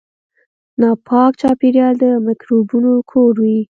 ناپاک چاپیریال د میکروبونو کور وي.